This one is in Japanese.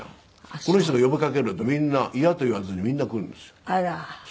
この人が呼びかけるとみんな嫌と言わずにみんな来るんです。